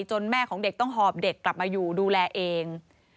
แม่ของเด็กต้องหอบเด็กกลับมาอยู่ดูแลเอง